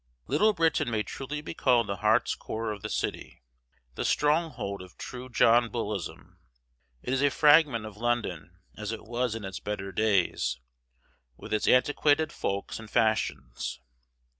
Little Britain may truly be called the heart's core of the city, the stronghold of true John Bullism. It is a fragment of London as it was in its better days, with its antiquated folks and fashions.